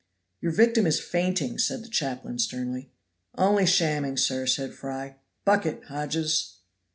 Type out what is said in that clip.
"Your victim is fainting," said the chaplain sternly. "Only shamming, sir," said Fry. "Bucket, Hodges."